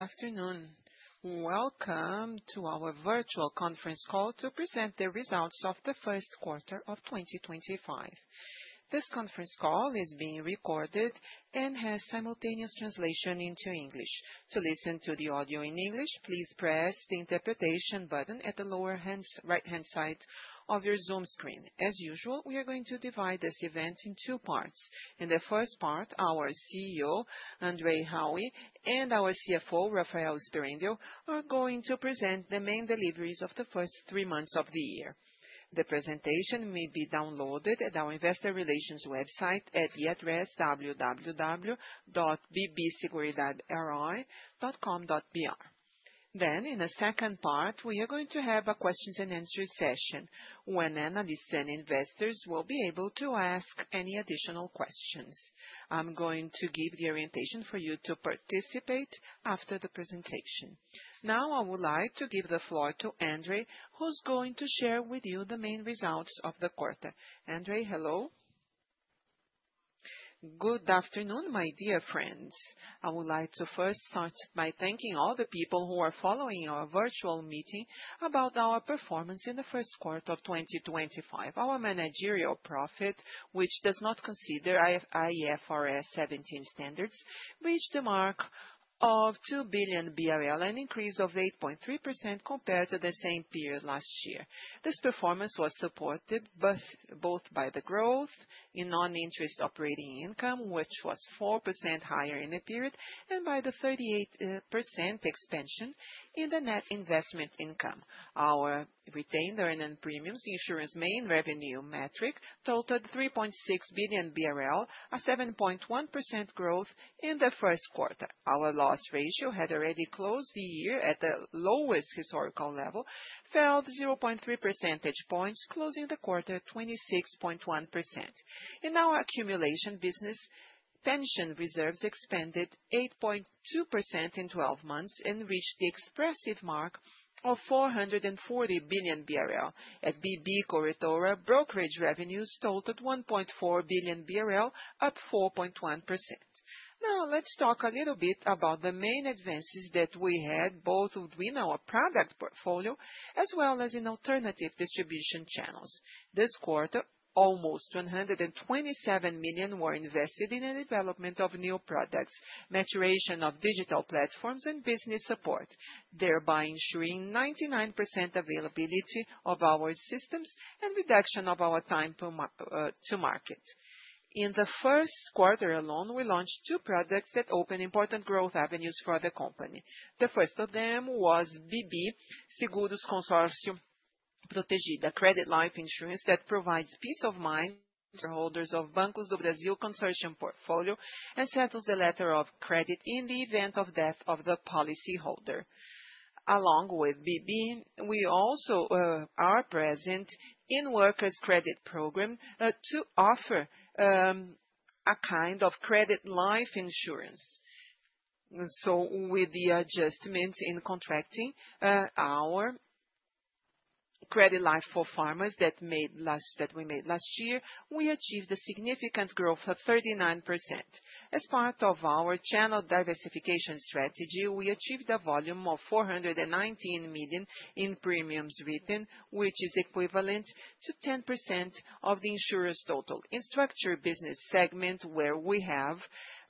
Afternoon. Welcome to our virtual conference call to present the results of the first quarter of 2025. This conference call is being recorded and has simultaneous translation into English. To listen to the audio in English, please press the interpretation button at the lower right-hand side of your Zoom screen. As usual, we are going to divide this event into two parts. In the first part, our CEO, Andre Haui, and our CFO, Rafael Sperendio, are going to present the main deliveries of the first three months of the year. The presentation may be downloaded at our investor relations website at the address www.bbseguridade.ri.com.br. In the second part, we are going to have a questions and answers session when analysts and investors will be able to ask any additional questions. I'm going to give the orientation for you to participate after the presentation. Now, I would like to give the floor to Andrei, who's going to share with you the main results of the quarter. Andrei, hello. Good afternoon, my dear friends. I would like to first start by thanking all the people who are following our virtual meeting about our performance in the first quarter of 2025. Our managerial profit, which does not consider IFRS 17 standards, reached the mark of 2 billion BRL, an increase of 8.3% compared to the same period last year. This performance was supported both by the growth in non-interest operating income, which was 4% higher in the period, and by the 38% expansion in the net investment income. Our retained earned premiums, the insurance main revenue metric, totaled 3.6 billion BRL, a 7.1% growth in the first quarter. Our loss ratio had already closed the year at the lowest historical level, fell 0.3 percentage points, closing the quarter at 26.1%. In our accumulation, business pension reserves expanded 8.2% in 12 months and reached the expressive mark of 440 billion BRL. At BB Corretora, brokerage revenues totaled 1.4 billion BRL, up 4.1%. Now, let's talk a little bit about the main advances that we had both within our product portfolio as well as in alternative distribution channels. This quarter, almost 127 million were invested in the development of new products, maturation of digital platforms, and business support, thereby ensuring 99% availability of our systems and reduction of our time to market. In the first quarter alone, we launched two products that opened important growth avenues for the company. The first of them was BB Seguros Consórcio Protegida, a credit-life insurance that provides peace of mind to shareholders of Banco do Brasil Consortium portfolio and settles the letter of credit in the event of death of the policyholder. Along with BB, we also are present in workers' credit program to offer a credit-life insurance. With the adjustment in contracting, our credit life for farmers that we made last year, we achieved a significant growth of 39%. As part of our channel diversification strategy, we achieved a volume of 419 million in premiums written, which is equivalent to 10% of the insurance total. In structured business segment, where we have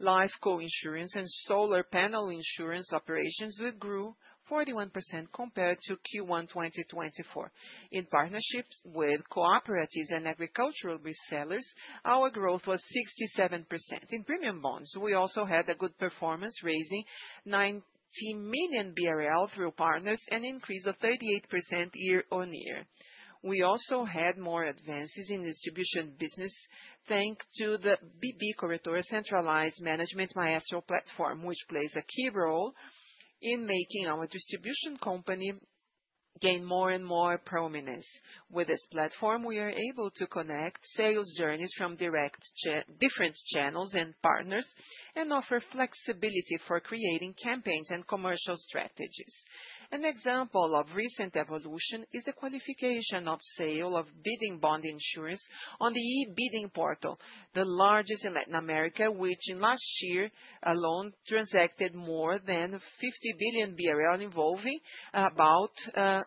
life co-insurance and solar panel insurance operations, we grew 41% compared to Q1 2024. In partnerships with cooperatives and agricultural resellers, our growth was 67%. In premium bonds, we also had a good performance, raising 90 million BRL through partners, an increase of 38% year-on-year. We also had more advances in distribution business thanks to the BB Corretora centralized management maestro platform, which plays a key role in making our distribution company gain more and more prominence. With this platform, we are able to connect sales journeys from different channels and partners and offer flexibility for creating campaigns and commercial strategies. An example of recent evolution is the qualification of sale of bidding bond insurance on the e-bidding portal, the largest in Latin America, which in last year alone transacted more than 50 billion BRL, involving about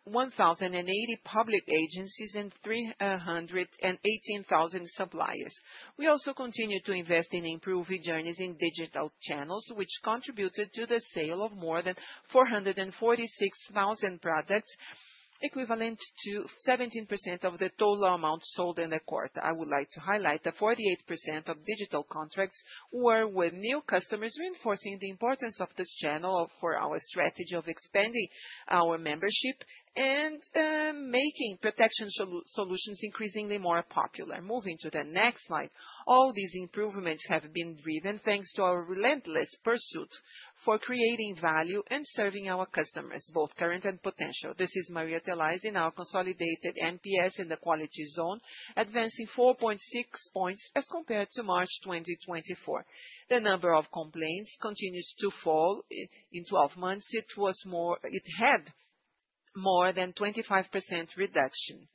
1,080 public agencies and 318,000 suppliers. We also continue to invest in improved journeys in digital channels, which contributed to the sale of more than 446,000 products, equivalent to 17% of the total amount sold in the quarter.I would like to highlight that 48% of digital contracts were with new customers, reinforcing the importance of this channel for our strategy of expanding our membership and making protection solutions increasingly more popular. Moving to the next slide. All these improvements have been driven thanks to our relentless pursuit for creating value and serving our customers, both current and potential. This is materialized in our consolidated NPS in the quality zone, advancing 4.6 points as compared to March 2024. The number of complaints continues to fall. In 12 months, it had more than 25% reduction.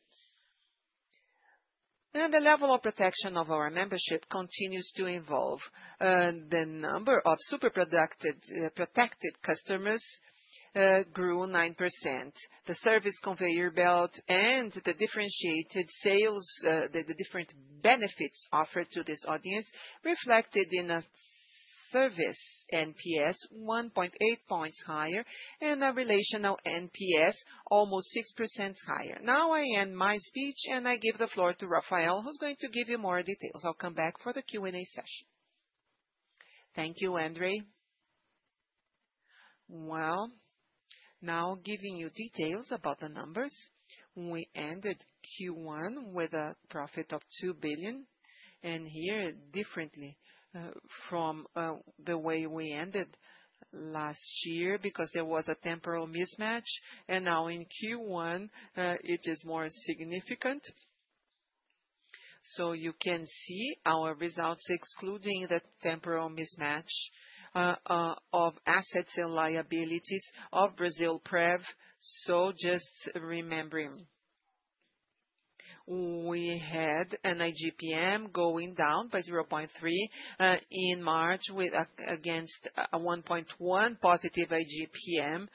The level of protection of our membership continues to evolve. The number of super protected customers grew 9%. The service conveyor belt and the differentiated sales, the different benefits offered to this audience, reflected in a service NPS 1.8 points higher and a relational NPS almost 6% higher. Now I end my speech and I give the floor to Rafael, who's going to give you more details. I'll come back for the Q&A session. Thank you, Andrei. Now giving you details about the numbers. We ended Q1 with a profit of 2 billion, and here differently from the way we ended last year because there was a temporal mismatch, and now in Q1, it is more significant. You can see our results, excluding the temporal mismatch of assets and liabilities of BrasilPrev. Just remembering, we had an IGPM going down by 0.3% in March against a 1.1% positive IGPM.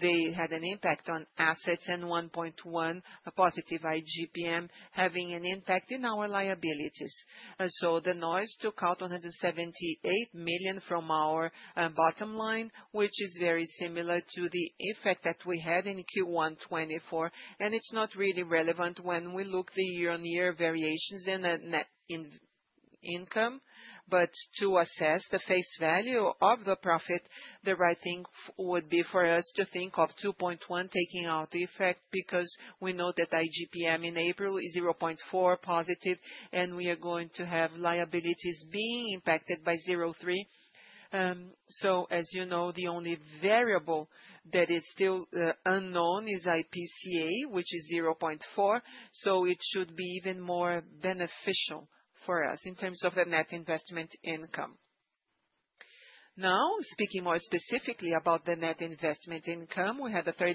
They had an impact on assets and 1.1% positive IGPM, having an impact in our liabilities. The noise took out 178 million from our bottom line, which is very similar to the effect that we had in Q1 2024, and it's not really relevant when we look at the year-on-year variations in net income. To assess the face value of the profit, the right thing would be for us to think of 2.1 billion taking out the effect because we know that IGPM in April is 0.4% positive, and we are going to have liabilities being impacted by 0.3%. As you know, the only variable that is still unknown is IPCA, which is 0.4%. It should be even more beneficial for us in terms of the net investment income. Now, speaking more specifically about the net investment income, we had a 38%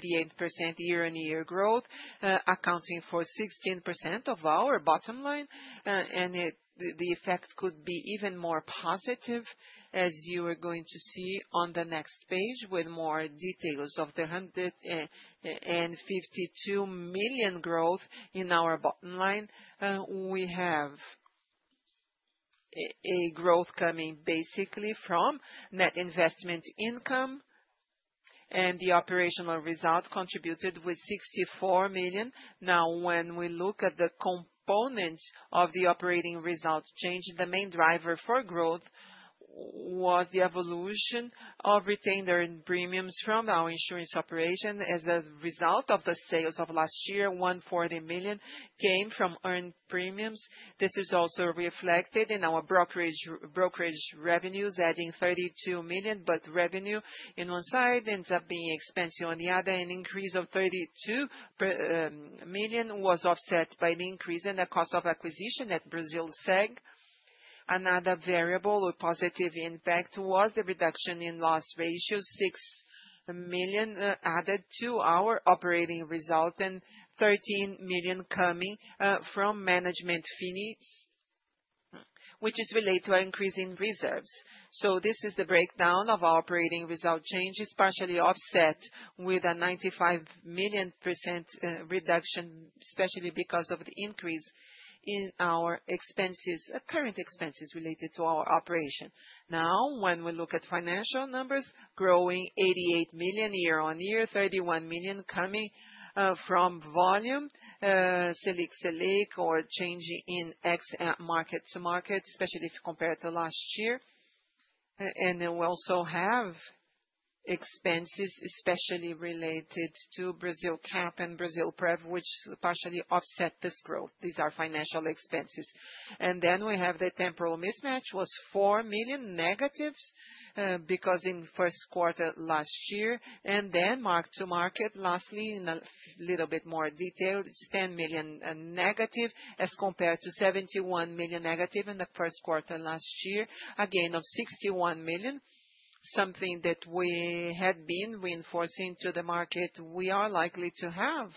year-on-year growth, accounting for 16% of our bottom line, and the effect could be even more positive, as you are going to see on the next page with more details of the 152 million growth in our bottom line. We have a growth coming basically from net investment income, and the operational result contributed with 64 million. Now, when we look at the components of the operating result change, the main driver for growth was the evolution of retained earned premiums from our insurance operation. As a result of the sales of last year, 140 million came from earned premiums. This is also reflected in our brokerage revenues, adding 32 million, but revenue on one side ends up being expensive on the other. An increase of 32 million but was offset by the increase in the cost of acquisition at BB Seguridade. Another variable with positive impact was the reduction in loss ratio, 6 million added to our operating result, and 13 million coming from management fees, which is related to increasing reserves. This is the breakdown of operating result changes, partially offset with a 95 million reduction, especially because of the increase in our current expenses related to our operation. Now, when we look at financial numbers, growing 88 million year-on-year, 31 million coming from volume, SELIC, or change in X at market to market, especially if compared to last year. We also have expenses, especially related to BrasilCap and BrasilPrev, which partially offset this growth. These are financial expenses. We have the temporal mismatch, which was 4 million negative because in the first quarter last year, and then mark to market. Lastly, in a little bit more detail, it is 10 million negative as compared to 71 million negative in the first quarter last year, again of 61 million, something that we had been reinforcing to the market. We are likely to have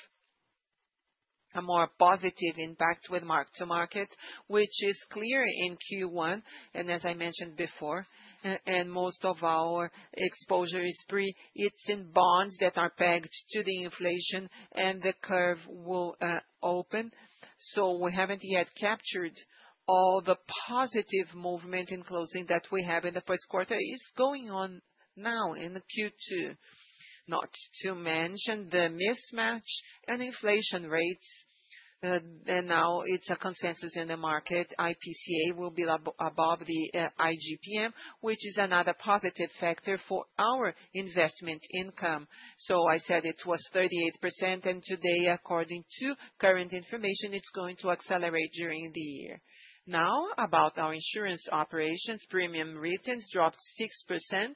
a more positive impact with mark to market, which is clear in Q1, and as I mentioned before, most of our exposure is pre-fixed in bonds that are pegged to the inflation, and the curve will open. We have not yet captured all the positive movement in closing that we have in the first quarter; it is going on now in Q2. Not to mention the mismatch and inflation rates, and now it is a consensus in the market. IPCA will be above the IGPM, which is another positive factor for our investment income. I said it was 38%, and today, according to current information, it's going to accelerate during the year. Now, about our insurance operations, premium writtens dropped 6%,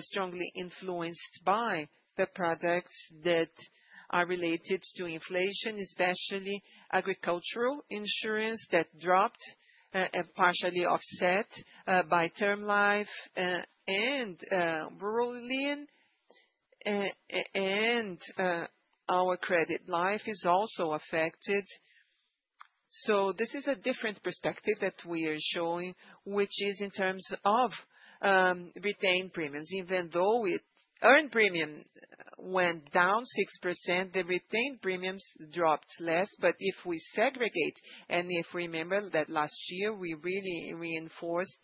strongly influenced by the products that are related to inflation, especially agricultural insurance that dropped and partially offset by term life and rural lien, and our credit life is also affected. This is a different perspective that we are showing, which is in terms of retained premiums. Even though earned premium went down 6%, the retained premiums dropped less. If we segregate, and if we remember that last year we really reinforced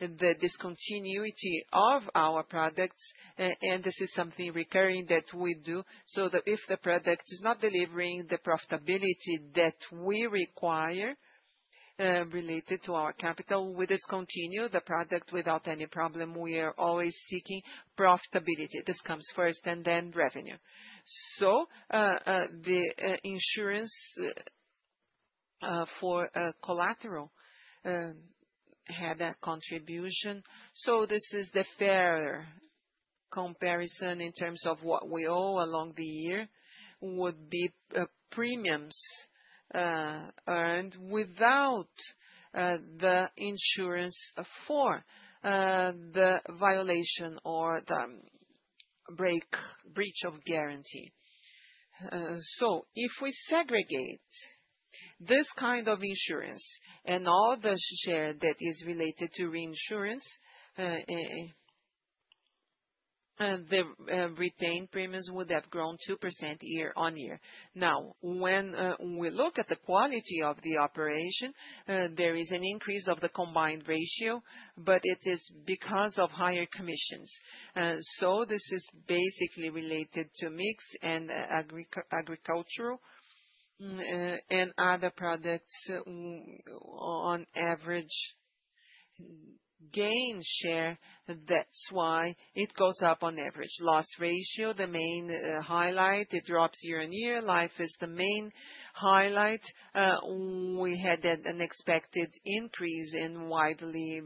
the discontinuity of our products, and this is something recurring that we do, so that if the product is not delivering the profitability that we require related to our capital, we discontinue the product without any problem. We are always seeking profitability. This comes first and then revenue. The insurance for collateral had a contribution. This is the fair comparison in terms of what we owe along the year, which would be premiums earned without the insurance for the violation or the breach of guarantee. If we segregate this insurance and all the share that is related to reinsurance, the retained premiums would have grown 2% year-on-year. Now, when we look at the quality of the operation, there is an increase of the combined ratio, but it is because of higher commissions. This is basically related to mix and agricultural and other products on average gain share. That is why it goes up on average. Loss ratio, the main highlight, it drops year-on-year. Life is the main highlight. We had an expected increase and widely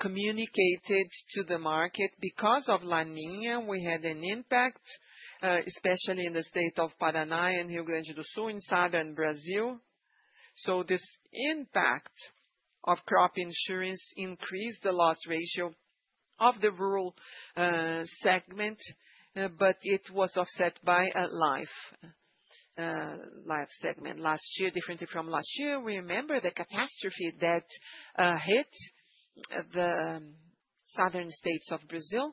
communicated to the market because of La Niña. We had an impact, especially in the state of Paraná and Rio Grande do Sul in southern Brazil. This impact of crop insurance increased the loss ratio of the rural segment, but it was offset by a life segment. Last year, differently from last year, we remember the catastrophe that hit the southern states of Brazil,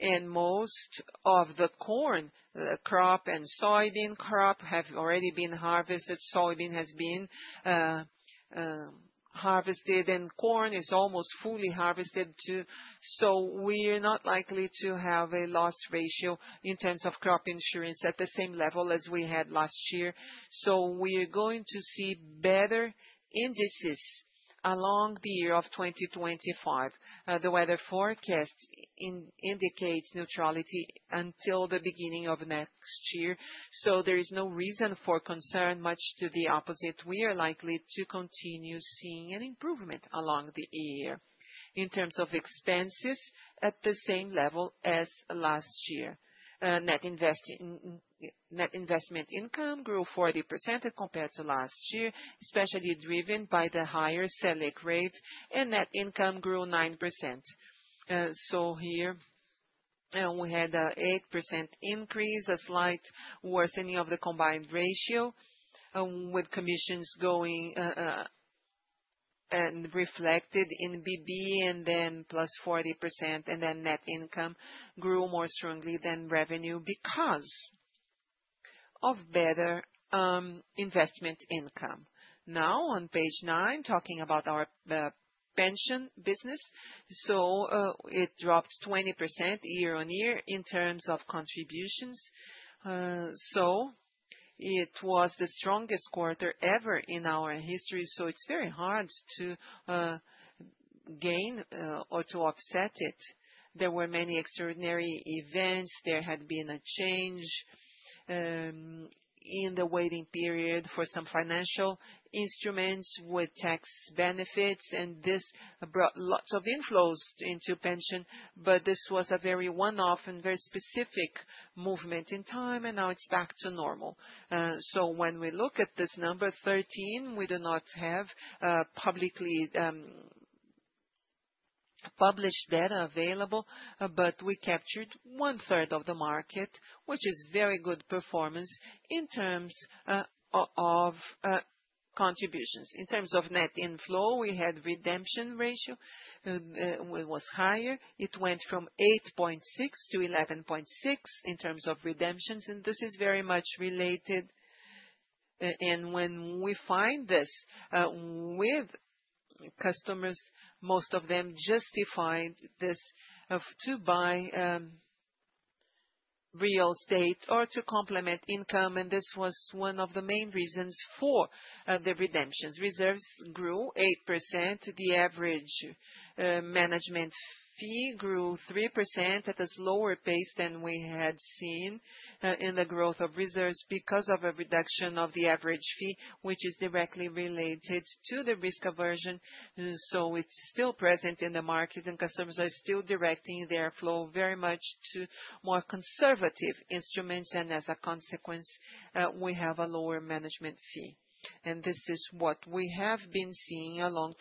and most of the corn, the crop and soybean crop have already been harvested. Soybean has been harvested, and corn is almost fully harvested too. We're not likely to have a loss ratio in terms of crop insurance at the same level as we had last year. We're going to see better indices along the year of 2025. The weather forecast indicates neutrality until the beginning of next year. There is no reason for concern, much to the opposite. We are likely to continue seeing an improvement along the year in terms of expenses at the same level as last year. Net investment income grew 40% compared to last year, especially driven by the higher SELIC rate, and net income grew 9%. Here we had an 8% increase, a slight worsening of the combined ratio with commissions going and reflected in BB, and then plus 40%, and then net income grew more strongly than revenue because of better investment income. On page nine, talking about our pension business, it dropped 20% year-on-year in terms of contributions. It was the strongest quarter ever in our history. It is very hard to gain or to offset it. There were many extraordinary events. There had been a change in the waiting period for some financial instruments with tax benefits, and this brought lots of inflows into pension. This was a very one-off and very specific movement in time, and now it is back to normal. When we look at this number 13, we do not have publicly published data available, but we captured one-third of the market, which is very good performance in terms of contributions. In terms of net inflow, we had redemption ratio. It was higher. It went from 8.6%-11.6% in terms of redemptions, and this is very much related. When we find this with customers, most of them justified this to buy real estate or to complement income, and this was one of the main reasons for the redemptions. Reserves grew 8%. The average management fee grew 3% at a slower pace than we had seen in the growth of reserves because of a reduction of the average fee, which is directly related to the risk aversion. It is still present in the market, and customers are still directing their flow very much to more conservative instruments, and as a consequence, we have a lower management fee. This is what we have been seeing along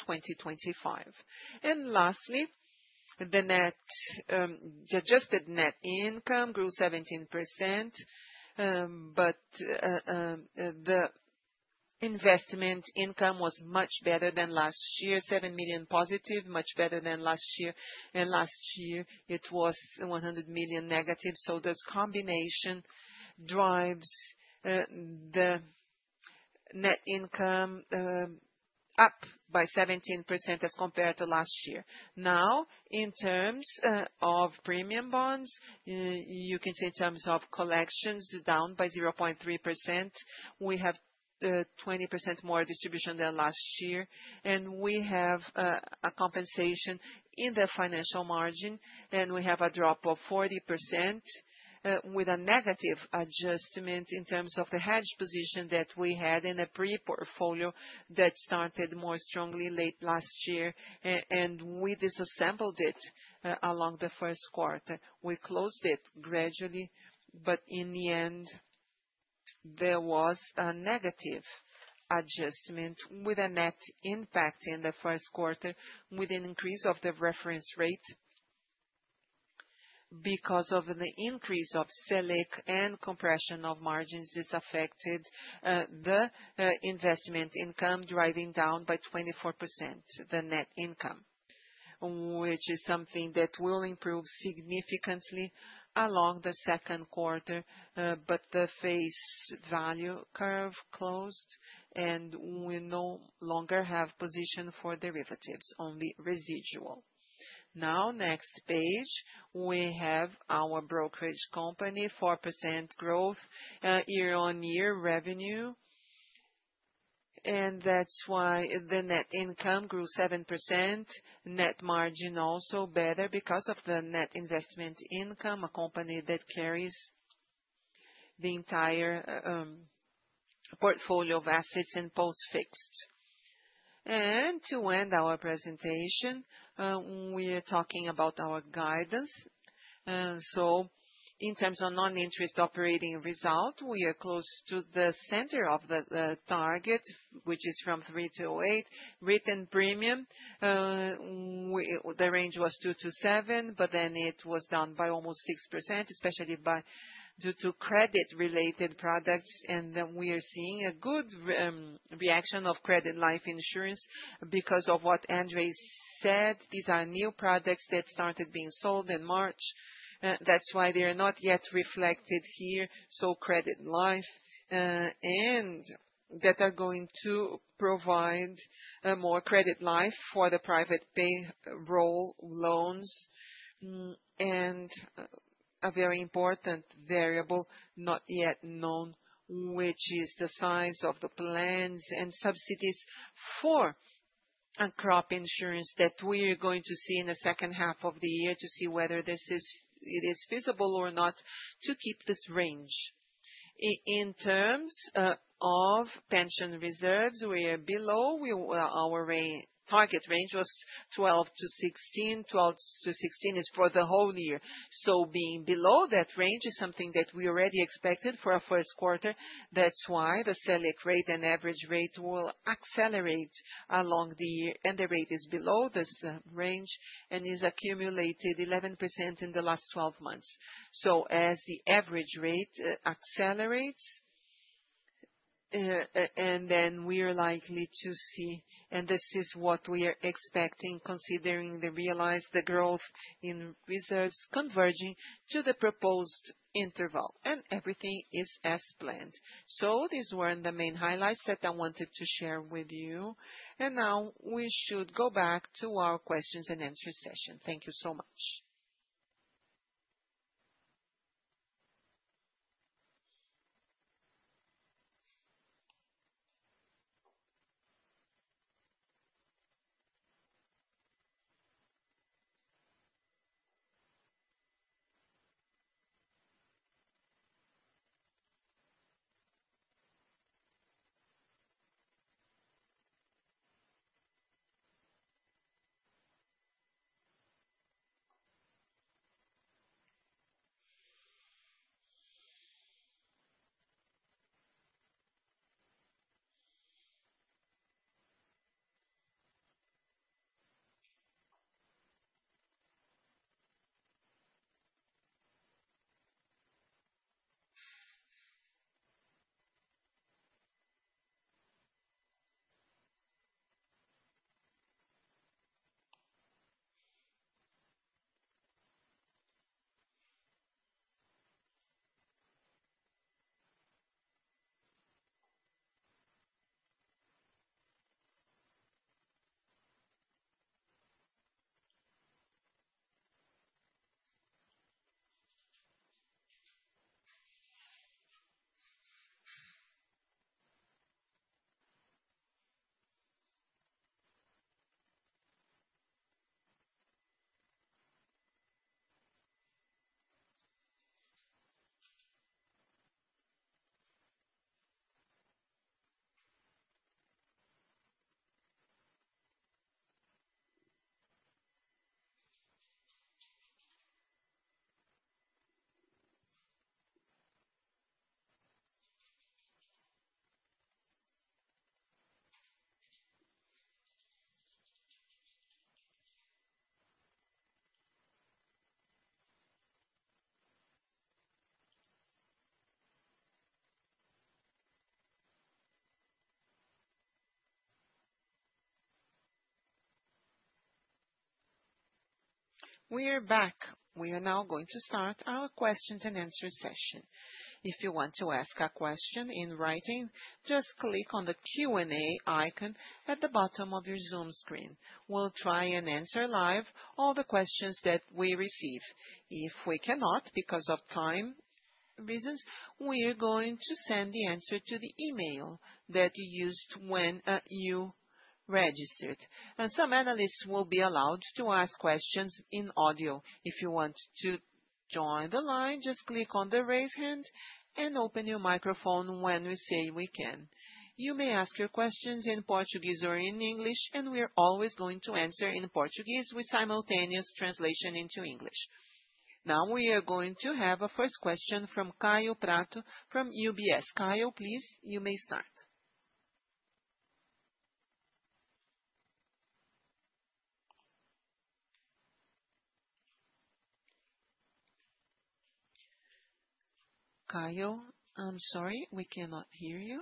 2025. Lastly, the adjusted net income grew 17%, but the investment income was much better than last year, 7 million positive, much better than last year. Last year, it was 100 million negative. This combination drives the net income up by 17% as compared to last year. Now, in terms of premium bonds, you can see in terms of collections down by 0.3%. We have 20% more distribution than last year, and we have a compensation in the financial margin, and we have a drop of 40% with a negative adjustment in terms of the hedge position that we had in a pre-portfolio that started more strongly late last year. We disassembled it along the first quarter. We closed it gradually, but in the end, there was a negative adjustment with a net impact in the first quarter with an increase of the reference rate. Of the increase of SELIC and compression of margins, this affected the investment income driving down by 24%, the net income, which is something that will improve significantly along the second quarter. The face value curve closed, and we no longer have position for derivatives, only residual. Next page, we have our brokerage company, 4% growth year-on-year revenue, and that's why the net income grew 7%. Net margin also better because of the net investment income, a company that carries the entire portfolio of assets in post-fixed. To end our presentation, we are talking about our guidance. In terms of non-interest operating result, we are close to the center of the target, which is from 3-8 written premium. The range was 2-7, but then it was down by almost 6%, especially due to credit-related products. We are seeing a good reaction of credit life insurance because of what Andrei said. These are new products that started being sold in March. That's why they are not yet reflected here. Credit life and that are going to provide more credit life for the private payroll loans. A very important variable not yet known is the size of the plans and subsidies for crop insurance that we are going to see in the second half of the year to see whether this is feasible or not to keep this range. In terms of pension reserves, we are below our target range, which was 12-16. 12-16 is for the whole year. Being below that range is something that we already expected for our first quarter. That is why the SELIC rate and average rate will accelerate along the year. The rate is below this range and is accumulated 11% in the last 12 months. As the average rate accelerates, we are likely to see, and this is what we are expecting considering the realized growth in reserves converging to the proposed interval. Everything is as planned. These were the main highlights that I wanted to share with you. Now we should go back to our questions and answers session. Thank you so much. We are back. We are now going to start our questions and answers session. If you want to ask a question in writing, just click on the Q&A icon at the bottom of your Zoom screen. We'll try and answer live all the questions that we receive. If we cannot because of time reasons, we are going to send the answer to the email that you used when you registered. Some analysts will be allowed to ask questions in audio. If you want to join the line, just click on the raise hand and open your microphone when we say we can. You may ask your questions in Portuguese or in English, and we are always going to answer in Portuguese with simultaneous translation into English. Now we are going to have a first question from Caio Prato from UBS. Caio, please, you may start. Caio, I'm sorry, we cannot hear you.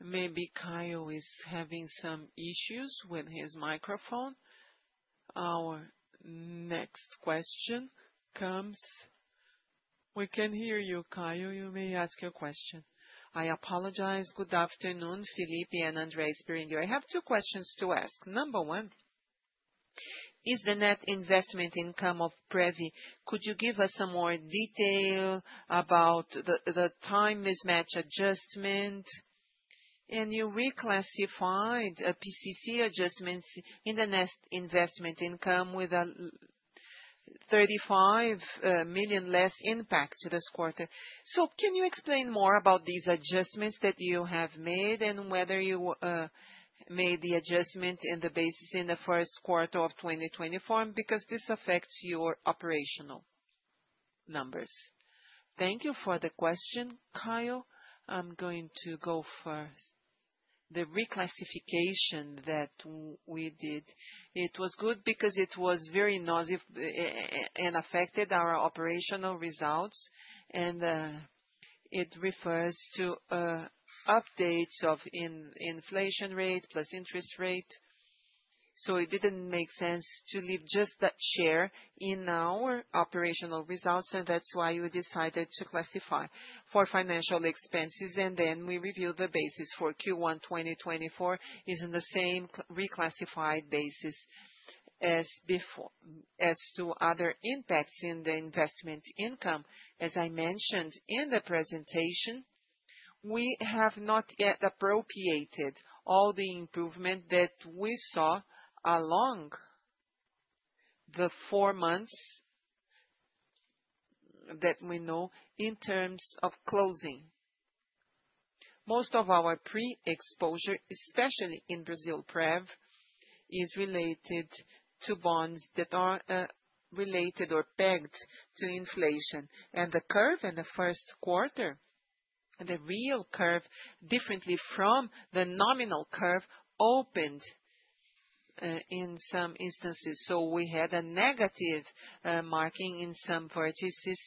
Maybe Caio is having some issues with his microphone. Our next question comes. We can hear you, Caio. You may ask your question. I apologize. Good afternoon, Felipe and André Sperendio. I have two questions to ask. Number one, is the net investment income of BRL? Could you give us some more detail about the time mismatch adjustment? And you reclassified PCC adjustments in the net investment income with a 35 million less impact this quarter. Can you explain more about these adjustments that you have made and whether you made the adjustment in the basis in the first quarter of 2024? This affects your operational numbers. Thank you for the question, Caio. I'm going to go for the reclassification that we did. It was good because it was very noisy and affected our operational results. It refers to updates of inflation rate plus interest rate. It did not make sense to leave just that share in our operational results. That is why we decided to classify for financial expenses. We reviewed the basis for Q1 2024. It is in the same reclassified basis as before as to other impacts in the investment income. As I mentioned in the presentation, we have not yet appropriated all the improvement that we saw along the four months that we know in terms of closing. Most of our pre-exposure, especially in BrasilPrev, is related to bonds that are related or pegged to inflation. The curve in the first quarter, the real curve, differently from the nominal curve, opened in some instances. We had a negative marking in some vertices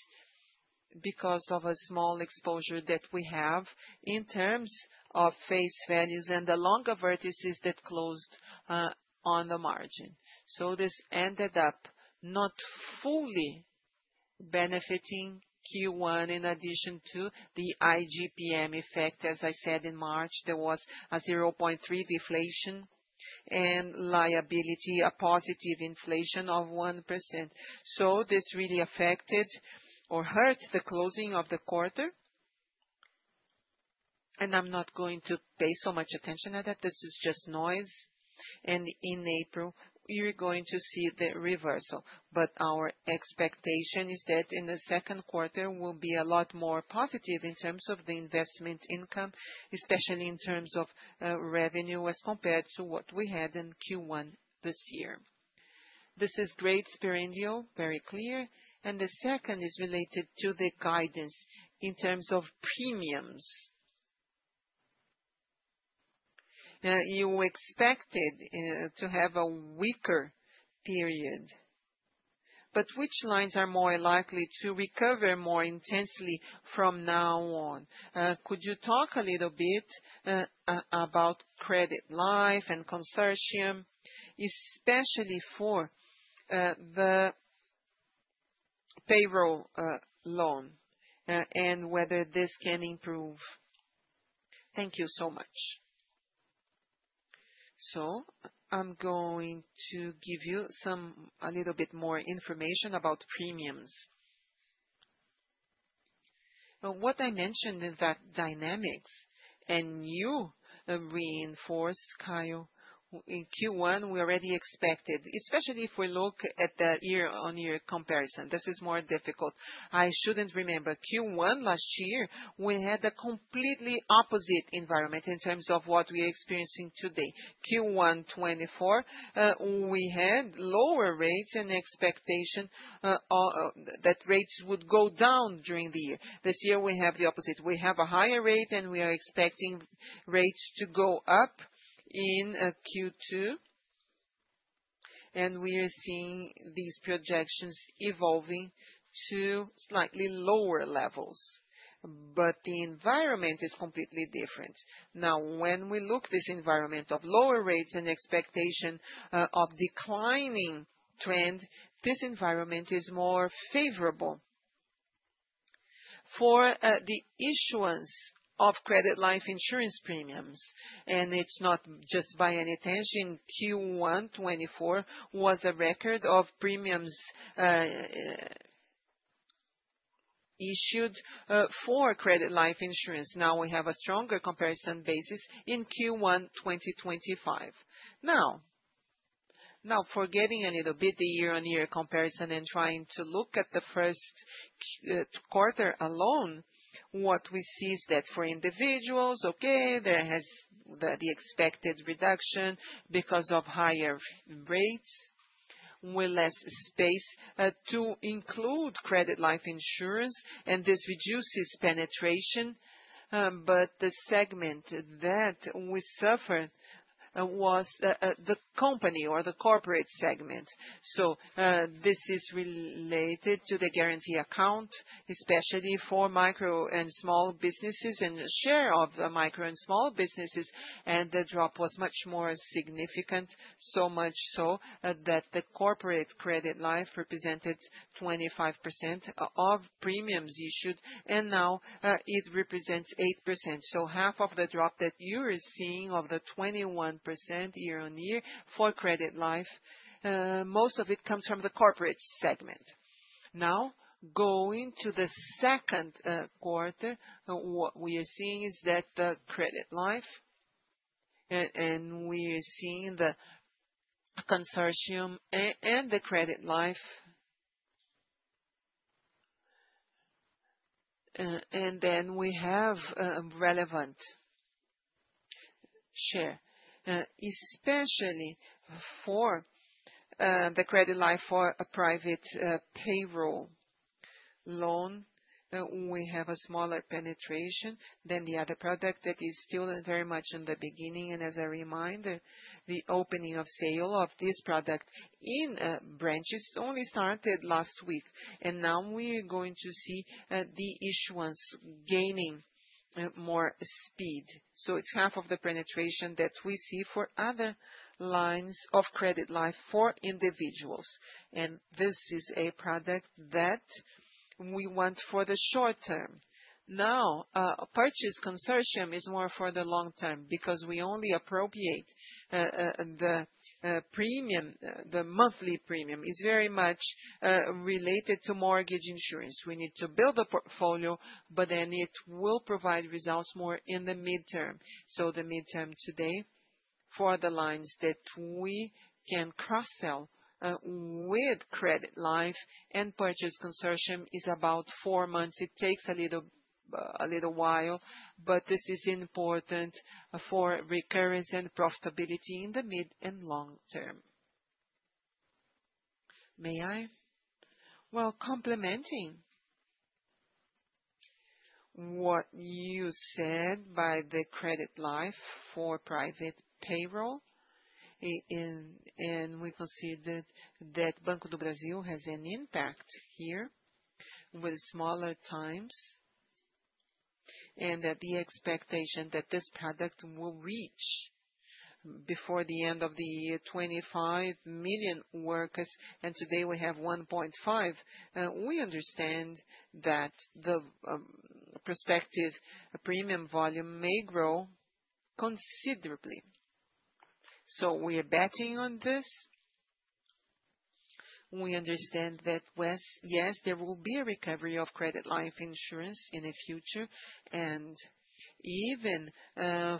because of a small exposure that we have in terms of face values and the longer vertices that closed on the margin. This ended up not fully benefiting Q1 in addition to the IGPM effect. As I said in March, there was a 0.3% deflation and liability, a positive inflation of 1%. This really affected or hurt the closing of the quarter. I am not going to pay so much attention to that. This is just noise. In April, you are going to see the reversal. Our expectation is that in the second quarter, we'll be a lot more positive in terms of the investment income, especially in terms of revenue as compared to what we had in Q1 this year. This is great, Spyr. Very clear. The second is related to the guidance in terms of premiums. You expected to have a weaker period. Which lines are more likely to recover more intensely from now on? Could you talk a little bit about credit life and consortium, especially for the payroll loan and whether this can improve? Thank you so much. I'm going to give you a little bit more information about premiums. What I mentioned in that dynamics and you reinforced, Caio, in Q1, we already expected, especially if we look at the year-on-year comparison. This is more difficult. I shouldn't remember. Q1 last year, we had a completely opposite environment in terms of what we are experiencing today. Q1 2024, we had lower rates and expectation that rates would go down during the year. This year, we have the opposite. We have a higher rate, and we are expecting rates to go up in Q2. We are seeing these projections evolving to slightly lower levels. The environment is completely different. Now, when we look at this environment of lower rates and expectation of declining trend, this environment is more favorable for the issuance of credit life insurance premiums. It is not just by any tension. Q1 2024 was a record of premiums issued for credit life insurance. Now we have a stronger comparison basis in Q1 2025. Now, forgetting a little bit the year-on-year comparison and trying to look at the first quarter alone, what we see is that for individuals, okay, there has been the expected reduction because of higher rates. We have less space to include credit life insurance, and this reduces penetration. The segment that we suffered was the company or the corporate segment. This is related to the guarantee account, especially for micro and small businesses and the share of the micro and small businesses. The drop was much more significant, so much so that the corporate credit life represented 25% of premiums issued. Now it represents 8%. Half of the drop that you are seeing of the 21% year-on-year for credit life, most of it comes from the corporate segment. Now, going to the second quarter, what we are seeing is that the credit life, and we are seeing the consortium and the credit life. We have a relevant share, especially for the credit life for a private payroll loan. We have a smaller penetration than the other product that is still very much in the beginning. As a reminder, the opening of sale of this product in branches only started last week. Now we are going to see the issuance gaining more speed. It is half of the penetration that we see for other lines of credit life for individuals. This is a product that we want for the short term. A purchase consortium is more for the long term because we only appropriate the premium. The monthly premium is very much related to mortgage insurance. We need to build a portfolio, but then it will provide results more in the midterm. The midterm today for the lines that we can cross-sell with credit life and purchase consortium is about four months. It takes a little while, but this is important for recurrence and profitability in the mid and long term. May I? Complementing what you said by the credit life for private payroll, we consider that Banco do Brasil has an impact here with smaller times and that the expectation that this product will reach before the end of the year 25 million workers. Today we have 1.5. We understand that the prospective premium volume may grow considerably. We are betting on this. We understand that, yes, there will be a recovery of credit life insurance in the future and even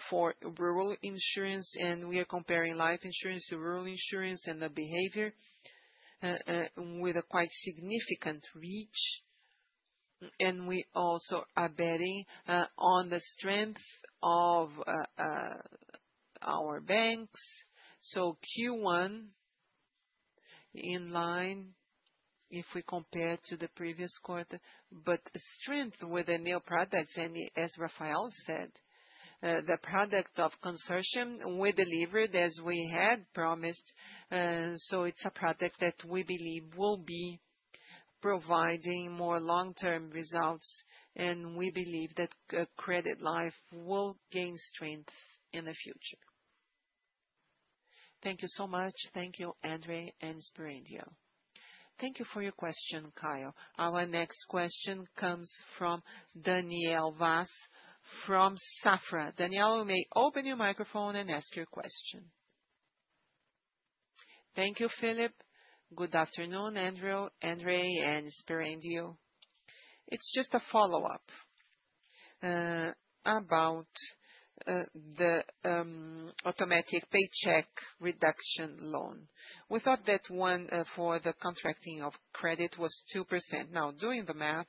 for rural insurance. We are comparing life insurance to rural insurance and the behavior with a quite significant reach. We also are betting on the strength of our banks. Q1 in line, if we compare to the previous quarter, but strength with the new products, and as Rafael said, the product of consortium we delivered as we had promised. It is a product that we believe will be providing more long-term results. We believe that credit life will gain strength in the future. Thank you so much. Thank you, Andre and Spyr. Thank you for your question, Caio. Our next question comes from Daniel Vas from Safra. Daniel, you may open your microphone and ask your question. Thank you, Philip. Good afternoon, Andre and Spyr. It is just a follow-up about the automatic paycheck reduction loan. We thought that one for the contracting of credit was 2%.Now, doing the math,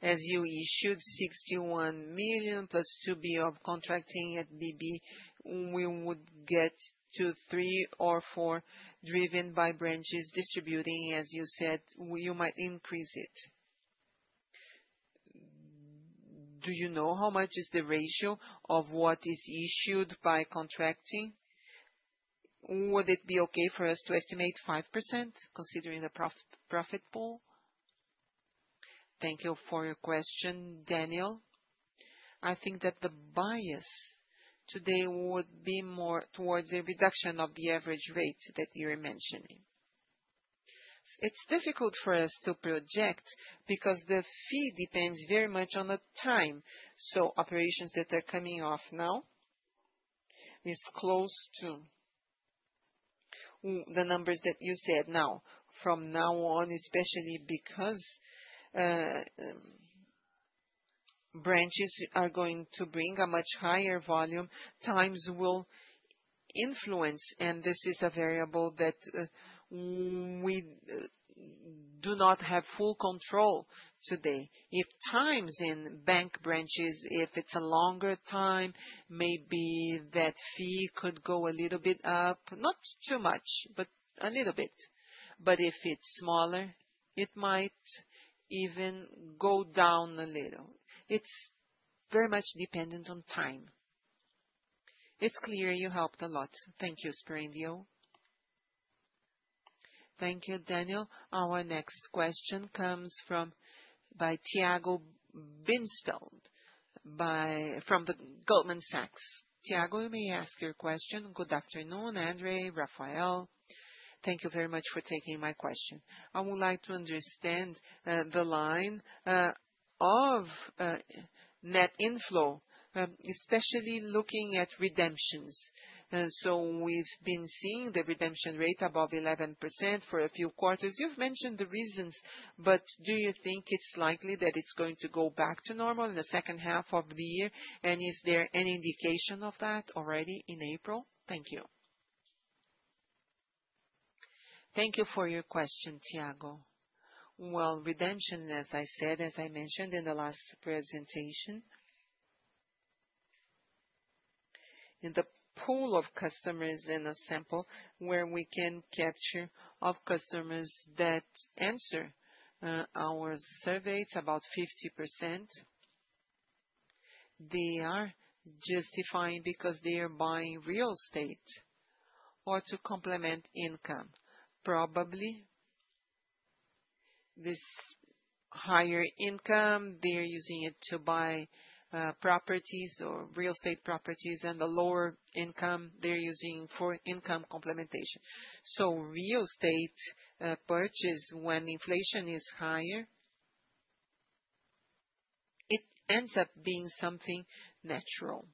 as you issued 61 million plus 2 billion of contracting at BB, we would get to 3 or 4 driven by branches distributing. As you said, you might increase it. Do you know how much is the ratio of what is issued by contracting? Would it be okay for us to estimate 5% considering the profit pool? Thank you for your question, Daniel. I think that the bias today would be more towards a reduction of the average rate that you're mentioning. It's difficult for us to project because the fee depends very much on the time. Operations that are coming off now are close to the numbers that you said now. From now on, especially because branches are going to bring a much higher volume, times will influence. This is a variable that we do not have full control today. If times in bank branches, if it's a longer time, maybe that fee could go a little bit up, not too much, but a little bit. If it's smaller, it might even go down a little. It's very much dependent on time. It's clear you helped a lot. Thank you, Spyr. Thank you, Daniel. Our next question comes by Tiago Binsfeld from Goldman Sachs. Tiago, you may ask your question. Good afternoon, Andre and Rafael. Thank you very much for taking my question. I would like to understand the line of net inflow, especially looking at redemptions. We have been seeing the redemption rate above 11% for a few quarters. You have mentioned the reasons, but do you think it's likely that it's going to go back to normal in the second half of the year? Is there any indication of that already in April? Thank you. Thank you for your question, Tiago. Redemption, as I mentioned in the last presentation, in the pool of customers in a sample where we can capture customers that answer our surveys, about 50% are justifying because they are buying real estate or to complement income. Probably this higher income, they are using it to buy properties or real estate properties. The lower income, they are using for income complementation. Real estate purchase when inflation is higher ends up being something natural.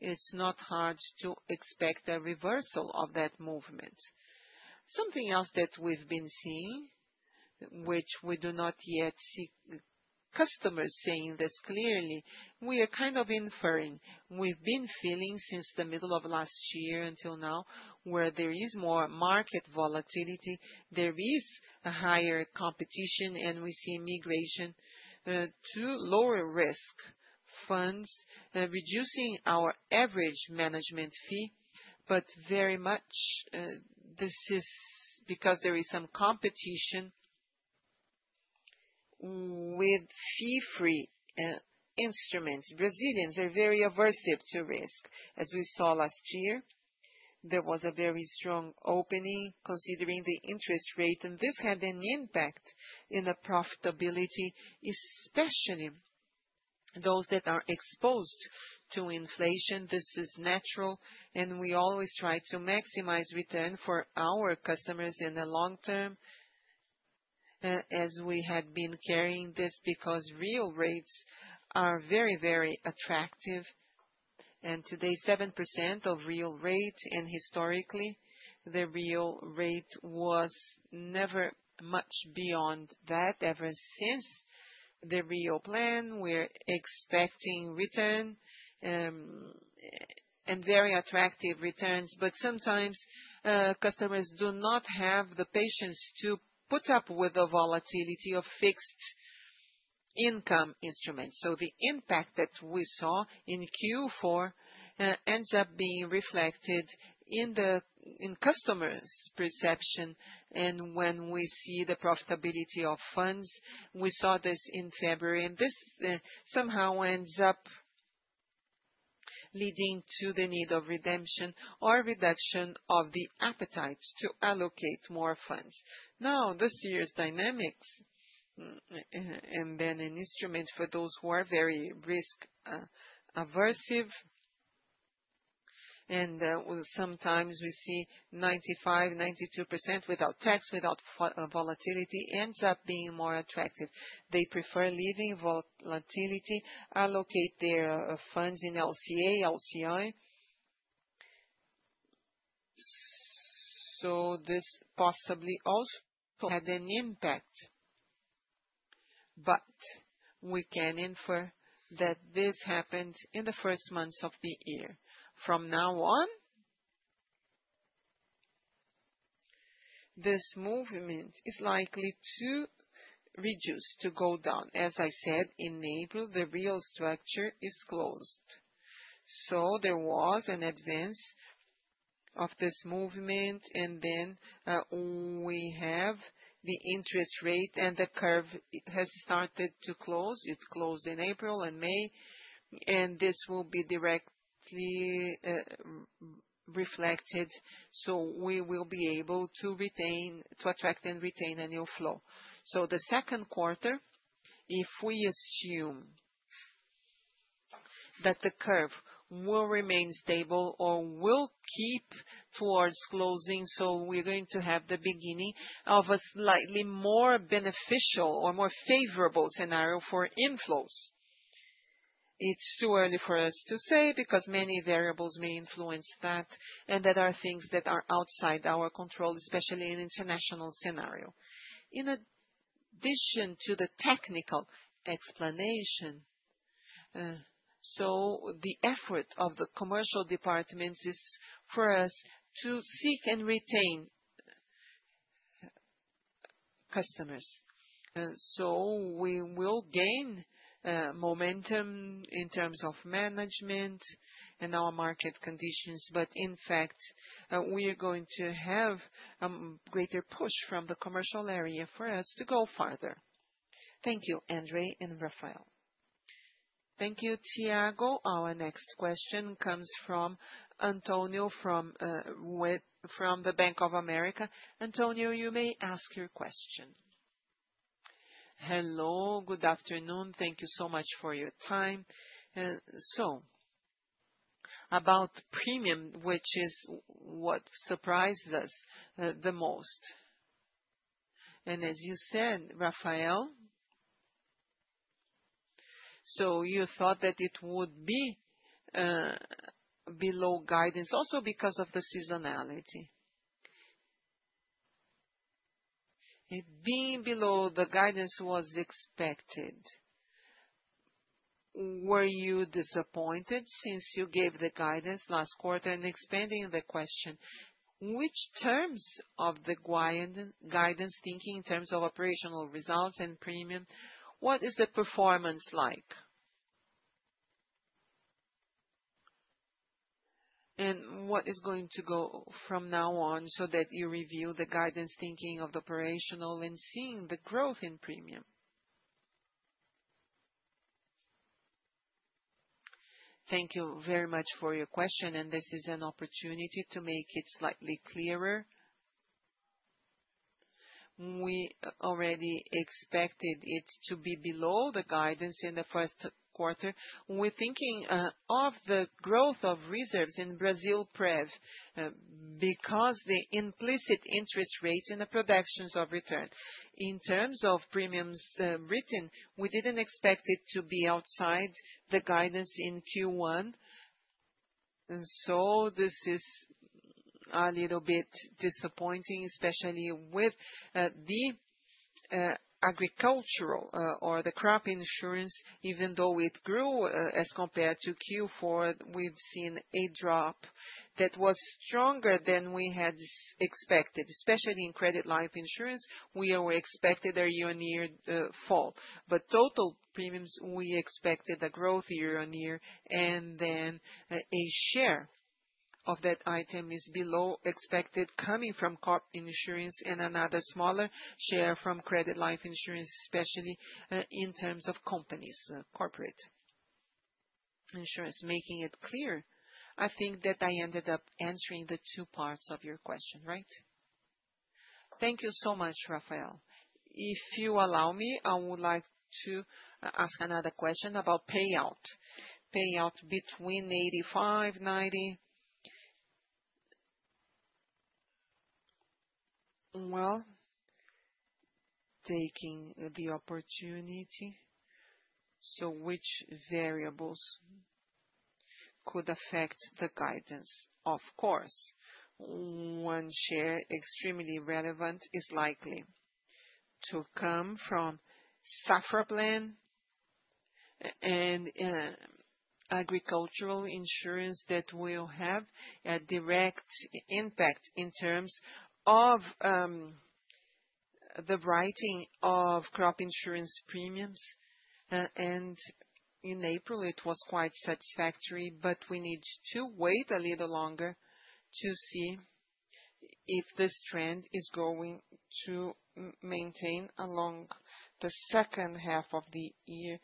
It is not hard to expect a reversal of that movement. Something else that we have been seeing, which we do not yet see customers saying this clearly, we are inferring. We've been feeling since the middle of last year until now where there is more market volatility, there is a higher competition, and we see migration to lower risk funds reducing our average management fee. Very much this is because there is some competition with fee-free instruments. Brazilians are very aversive to risk. As we saw last year, there was a very strong opening considering the interest rate. This had an impact in the profitability, especially those that are exposed to inflation. This is natural. We always try to maximize return for our customers in the long term as we had been carrying this because real rates are very, very attractive. Today, 7% of real rate. Historically, the real rate was never much beyond that ever since the real plan. We're expecting return and very attractive returns. Sometimes customers do not have the patience to put up with the volatility of fixed income instruments. The impact that we saw in Q4 ends up being reflected in customers' perception. When we see the profitability of funds, we saw this in February. This somehow ends up leading to the need of redemption or reduction of the appetite to allocate more funds. Now, the serious dynamics and then an instrument for those who are very risk-aversive. Sometimes we see 95%, 92% without tax, without volatility ends up being more attractive. They prefer leaving volatility, allocate their funds in LCA, LCI. This possibly also had an impact. We can infer that this happened in the first months of the year. From now on, this movement is likely to reduce, to go down. As I said, in April, the real structure is closed. There was an advance of this movement. We have the interest rate and the curve has started to close. It closed in April and May. This will be directly reflected. We will be able to attract and retain a new flow. The second quarter, if we assume that the curve will remain stable or will keep towards closing, we are going to have the beginning of a slightly more beneficial or more favorable scenario for inflows. It is too early for us to say because many variables may influence that. Those are things that are outside our control, especially in the international scenario. In addition to the technical explanation, the effort of the commercial departments is for us to seek and retain customers. We will gain momentum in terms of management and our market conditions.In fact, we are going to have a greater push from the commercial area for us to go farther. Thank you, Andre and Rafael. Thank you, Tiago. Our next question comes from Antonio from Bank of America. Antonio, you may ask your question. Hello. Good afternoon. Thank you so much for your time. About premium, which is what surprised us the most. As you said, Rafael, you thought that it would be below guidance also because of the seasonality. It being below the guidance was expected. Were you disappointed since you gave the guidance last quarter? Expanding the question, in terms of the guidance thinking in terms of operational results and premium, what is the performance like? What is going to go from now on so that you review the guidance thinking of the operational and seeing the growth in premium? Thank you very much for your question. This is an opportunity to make it slightly clearer. We already expected it to be below the guidance in the first quarter. We are thinking of the growth of reserves in BrasilPrev because the implicit interest rates and the productions of return in terms of premiums written, we did not expect it to be outside the guidance in Q1. This is a little bit disappointing, especially with the agricultural or the crop insurance. Even though it grew as compared to Q4, we have seen a drop that was stronger than we had expected, especially in credit life insurance. We were expecting a year-on-year fall. Total premiums, we expected a growth year-on-year. A share of that item is below expected coming from crop insurance and another smaller share from credit life insurance, especially in terms of companies, corporate insurance, making it clear. I think that I ended up answering the two parts of your question, right? Thank you so much, Rafael. If you allow me, I would like to ask another question about payout. Payout between 85-90. Taking the opportunity, which variables could affect the guidance? Of course, one share extremely relevant is likely to come from SafraBlend and agricultural insurance that will have a direct impact in terms of the writing of crop insurance premiums. In April, it was quite satisfactory. We need to wait a little longer to see if this trend is going to maintain along the second half of the year.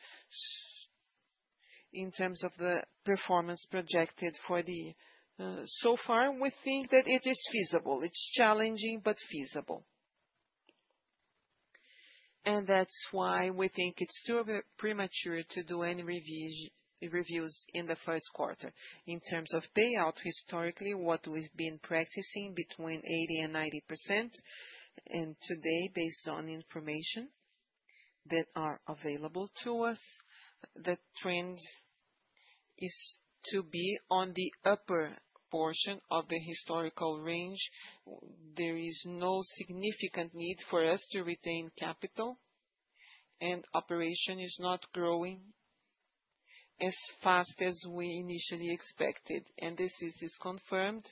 In terms of the performance projected for the year so far, we think that it is feasible. It's challenging, but feasible. That is why we think it's too premature to do any reviews in the first quarter. In terms of payout, historically, what we've been practicing is between 80% and 90%. Today, based on information that is available to us, the trend is to be on the upper portion of the historical range. There is no significant need for us to retain capital. Operation is not growing as fast as we initially expected, and this is confirmed.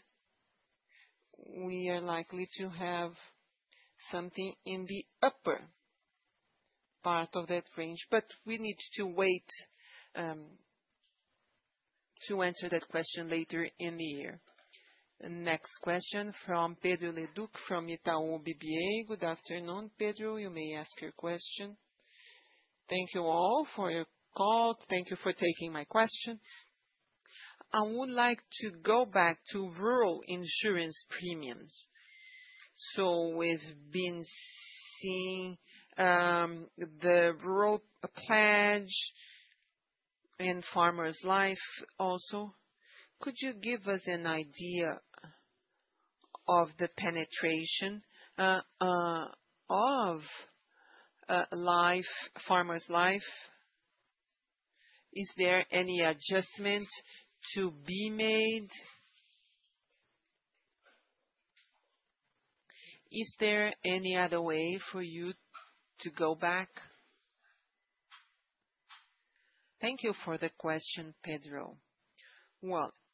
We are likely to have something in the upper part of that range. We need to wait to answer that question later in the year. Next question from Pedro Leduc from Itaú BBA. Good afternoon, Pedro. You may ask your question. Thank you all for your call. Thank you for taking my question. I would like to go back to rural insurance premiums. We have been seeing the rural pledge and farmers' life also. Could you give us an idea of the penetration of farmers' life? Is there any adjustment to be made? Is there any other way for you to go back? Thank you for the question, Pedro.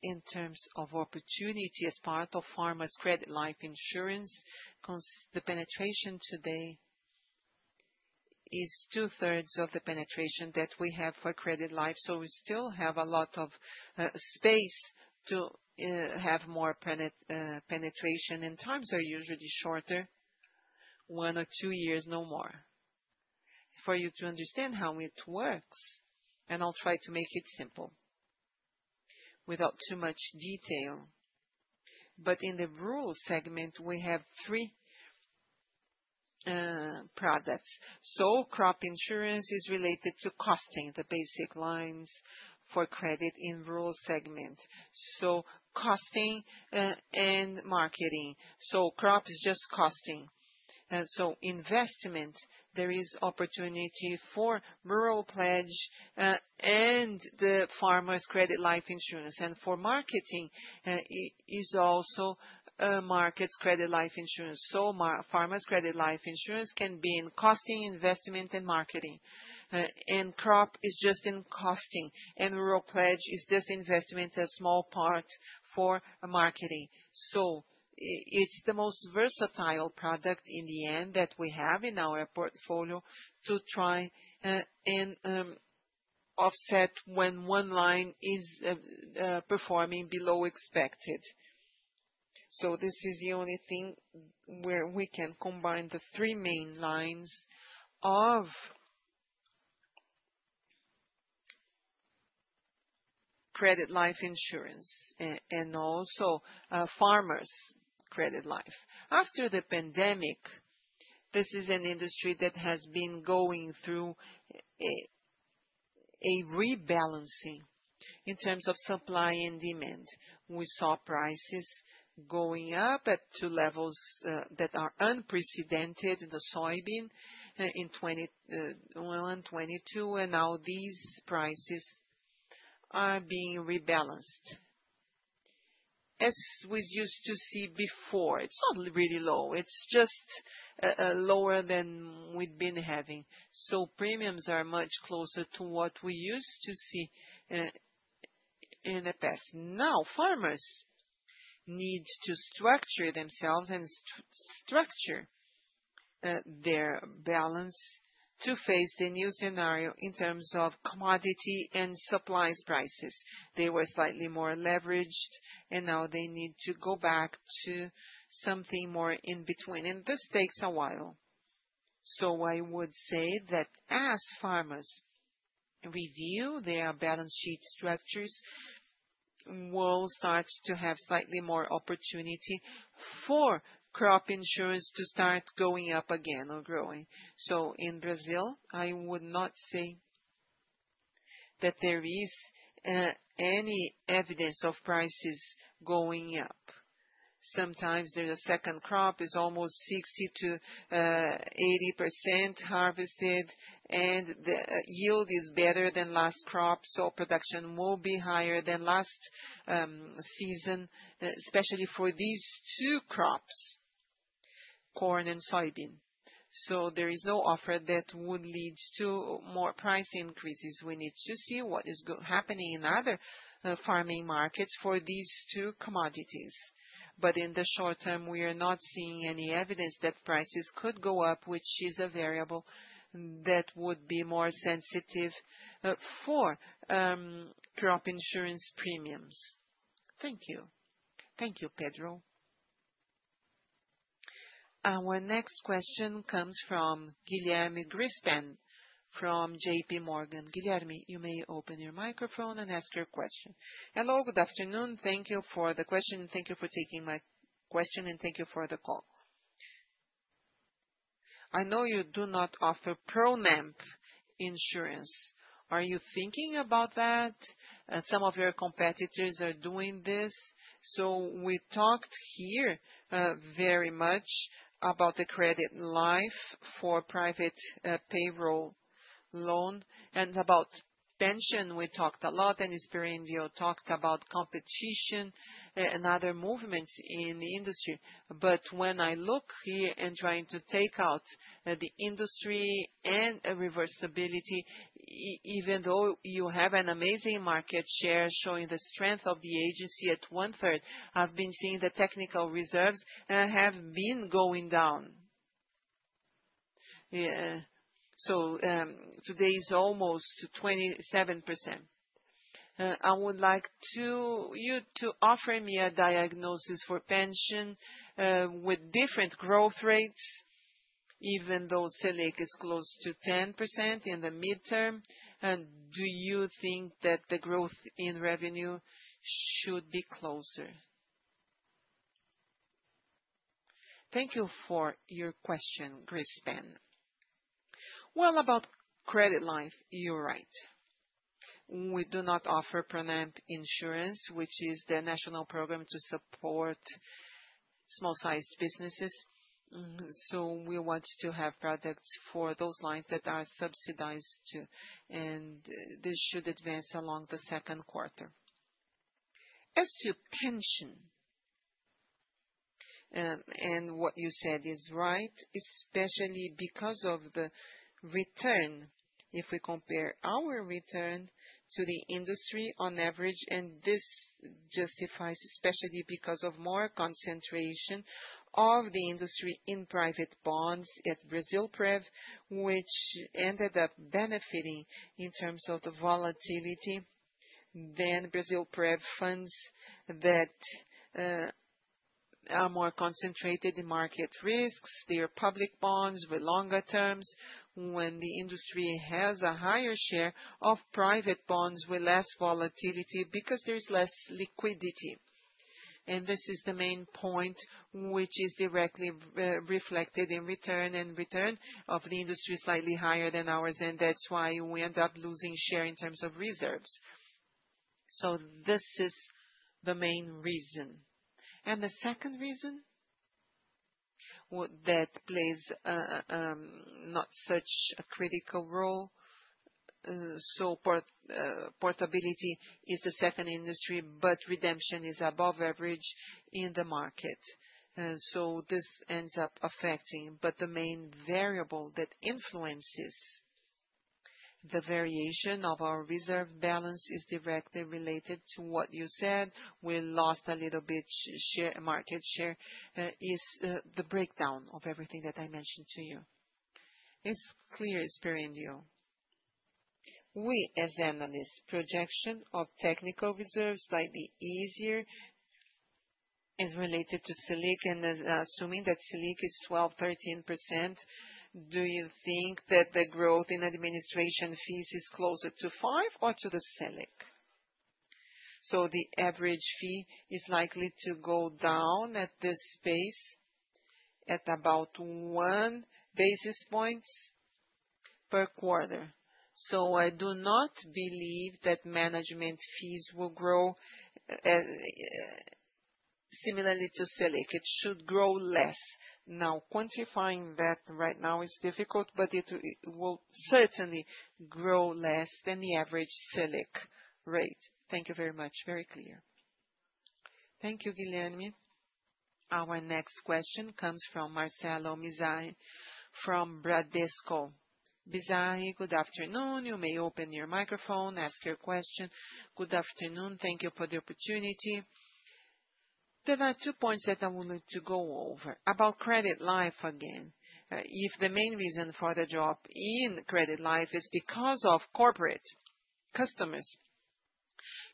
In terms of opportunity as part of farmers' credit life insurance, the penetration today is two-thirds of the penetration that we have for credit life. We still have a lot of space to have more penetration. Times are usually shorter, one or two years, no more. For you to understand how it works, and I'll try to make it simple without too much detail. In the rural segment, we have three products. Crop insurance is related to costing, the basic lines for credit in the rural segment. Costing and marketing. Crop is just costing. Investment, there is opportunity for rural pledge and the farmers' credit life insurance. For marketing, it is also markets credit life insurance. Farmers' credit life insurance can be in costing, investment, and marketing. Crop is just in costing. Rural pledge is just investment, a small part for marketing. It is the most versatile product in the end that we have in our portfolio to try and offset when one line is performing below expected. This is the only thing where we can combine the three main lines of credit life insurance and also farmers' credit life. After the pandemic, this is an industry that has been going through a rebalancing in terms of supply and demand. We saw prices going up at two levels that are unprecedented, the soybean in 2021, 2022. Now these prices are being rebalanced. As we used to see before, it is not really low. It is just lower than we have been having. Premiums are much closer to what we used to see in the past. Now, farmers need to structure themselves and structure their balance to face the new scenario in terms of commodity and supplies prices. They were slightly more leveraged. Now they need to go back to something more in between. This takes a while. I would say that as farmers review their balance sheet structures, we'll start to have slightly more opportunity for crop insurance to start going up again or growing. In Brazil, I would not say that there is any evidence of prices going up. Sometimes there's a second crop, is almost 60-80% harvested, and the yield is better than last crop. Production will be higher than last season, especially for these two crops, corn and soybean. There is no offer that would lead to more price increases. We need to see what is happening in other farming markets for these two commodities. In the short term, we are not seeing any evidence that prices could go up, which is a variable that would be more sensitive for crop insurance premiums. Thank you. Thank you, Pedro. Our next question comes from Guilherme Grespan from JP Morgan. Guilherme, you may open your microphone and ask your question. Hello, good afternoon. Thank you for the question. Thank you for taking my question. Thank you for the call. I know you do not offer ProNAMP insurance. Are you thinking about that? Some of your competitors are doing this. We talked here very much about the credit life for private payroll loan. About pension, we talked a lot. Esperendio talked about competition and other movements in the industry. When I look here and try to take out the industry and reversibility, even though you have an amazing market share showing the strength of the agency at one-third, I have been seeing the technical reserves have been going down. Today it is almost 27%.I would like you to offer me a diagnosis for pension with different growth rates, even though Select is close to 10% in the midterm. Do you think that the growth in revenue should be closer? Thank you for your question, Grespan. About credit life, you're right. We do not offer ProNAMP insurance, which is the national program to support small-sized businesses. We want to have products for those lines that are subsidized too. This should advance along the second quarter. As to pension? what you said is right, especially because of the return. If we compare our return to the industry on average, this justifies especially because of more concentration of the industry in private bonds at BrasilPrev, which ended up benefiting in terms of the volatility. BrazilPrev funds that are more concentrated in market risks, they are public bonds with longer terms. When the industry has a higher share of private bonds with less volatility because there is less liquidity. This is the main point, which is directly reflected in return and return of the industry slightly higher than ours. That is why we end up losing share in terms of reserves. This is the main reason. The second reason? That plays not such a critical role, portability is the second industry, but redemption is above average in the market. This ends up affecting. The main variable that influences the variation of our reserve balance is directly related to what you said. We lost a little bit market share is the breakdown of everything that I mentioned to you. It's clear, Sperendio.We, as analysts, projection of technical reserves slightly easier is related to Select and assuming that Select is 12, 13%. Do you think that the growth in administration fees is closer to 5 or to the Select? The average fee is likely to go down at this space at about one basis points per quarter. I do not believe that management fees will grow similarly to Select. It should grow less. Now, quantifying that right now is difficult, but it will certainly grow less than the average Select rate. Thank you very much. Very clear. Thank you, Guilherme .Our next question comes from Marcelo Mizrahi from Bradesco. Mizrahi, good afternoon. You may open your microphone, ask your question. Good afternoon. Thank you for the opportunity. There are two points that I wanted to go over about credit life again. If the main reason for the drop in credit life is because of corporate customers,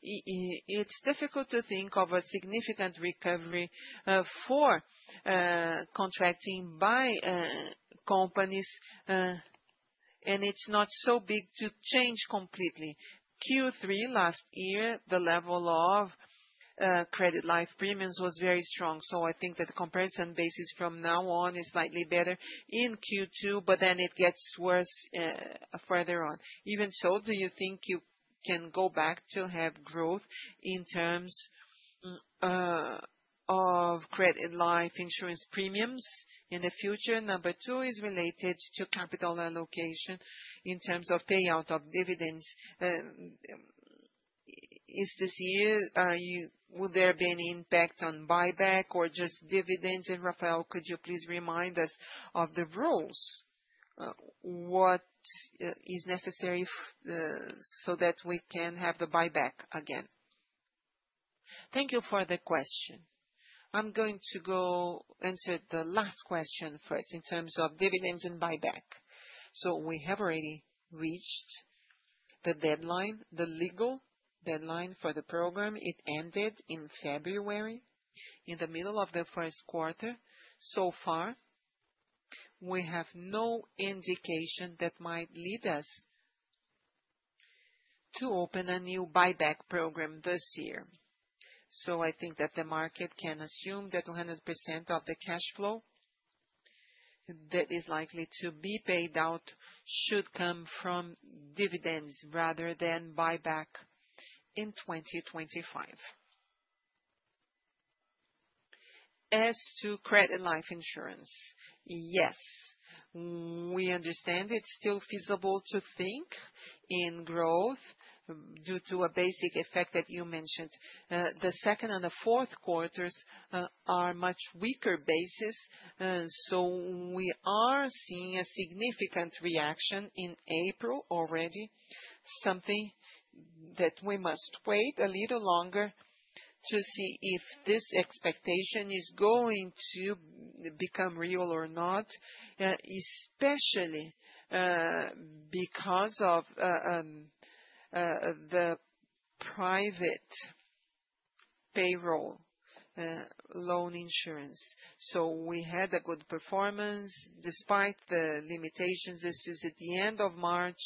it's difficult to think of a significant recovery for contracting by companies. It's not so big to change completely. Q3 last year, the level of credit life premiums was very strong. I think that the comparison basis from now on is slightly better in Q2, but then it gets worse further on. Even so, do you think you can go back to have growth in terms of credit life insurance premiums in the future? Number two is related to capital allocation in terms of payout of dividends. Is this year will there be any impact on buyback or just dividends? Rafael, could you please remind us of the rules? What is necessary so that we can have the buyback again? Thank you for the question. I'm going to go answer the last question first in terms of dividends and buyback. We have already reached the legal deadline for the program. It ended in February in the middle of the first quarter. So far, we have no indication that might lead us to open a new buyback program this year. I think that the market can assume that 100% of the cash flow that is likely to be paid out should come from dividends rather than buyback in 2025. As to credit life insurance, yes, we understand it's still feasible to think in growth due to a basic effect that you mentioned. The second and the fourth quarters are much weaker basis. We are seeing a significant reaction in April already, something that we must wait a little longer to see if this expectation is going to become real or not, especially because of the private payroll loan insurance. We had a good performance despite the limitations. This is at the end of March.